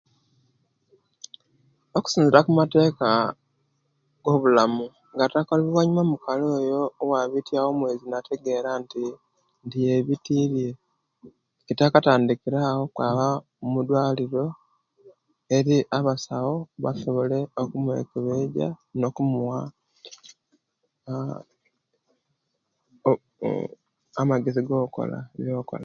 Okusinzirira okumateka gobulamu gattaka oluvanyuma omukali oyo owabityawo omwezi owategera nti yebitirye kitaka atandikire awo akwaaba omudwaliro eri abasawo basobole okumukebeijja no'kumuwa ooh ooh amagezi ogokukola ebyo kukola.